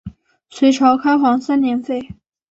隋朝开皇三年废。